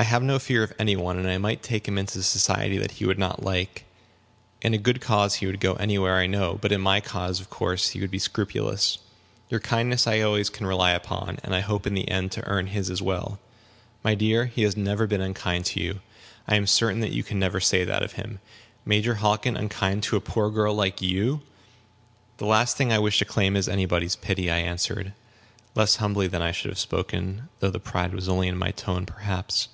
"I have no fear of any one; and I might take him into society that he would not like. In a good cause he would go any where, I know. But in my cause, of course he would be scrupulous. Your kindness I always can rely upon, and I hope in the end to earn his as well." "My dear, he has never been unkind to you. I am certain that you never can say that of him. Major Hockin unkind to a poor girl like you!" "The last thing I wish to claim is any body's pity," I answered, less humbly than I should have spoken, though the pride was only in my tone, perhaps.